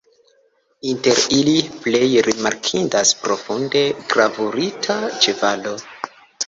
Inter ili plej rimarkindas profunde gravurita ĉevalo.